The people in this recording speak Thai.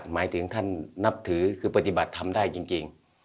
มายถึงท่านนับถือผจิบัติธรรมได้จริงจริง